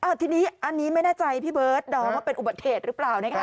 ทีนี้อันนี้ไม่แน่ใจพี่เบิร์ดดอมว่าเป็นอุบัติเหตุหรือเปล่านะคะ